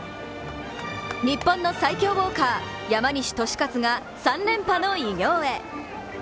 日本の最強ウォーカー、山西利和が３連覇の偉業へ。